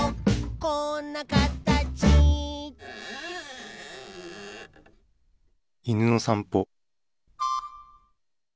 「こんなかたち」いぬのさんぽ。